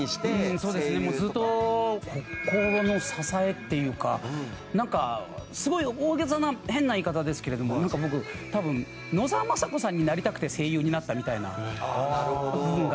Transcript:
そうですねもうずっと心の支えっていうかなんかすごい大げさな変な言い方ですけれどもなんか僕多分野沢雅子さんになりたくて声優になったみたいな部分があって。